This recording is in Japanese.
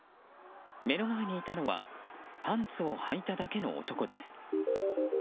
目の前にいたのはパンツをはいただけの男です。